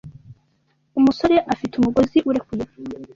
umusore afite umugozi urekuye!